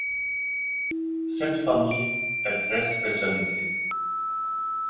Cette famille est très spécialisée.